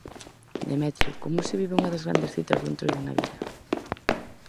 Demetrio, como se vive unha das grandes citas do Entroido na vila?